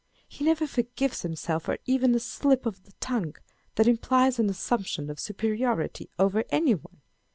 He never forgives himself for even a slip of the tongue, that implies an assumption of superiority over any one.